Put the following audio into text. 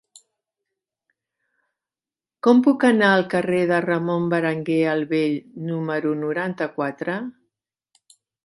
Com puc anar al carrer de Ramon Berenguer el Vell número noranta-quatre?